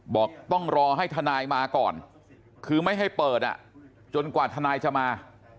บอกต้องรอให้ทนายมาก่อนคือไม่ให้เปิดจนกว่าทนายจะมา